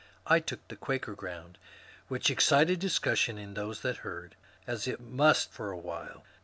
I took the Quaker ground, which excited discussion in those that heard — as it must for a while."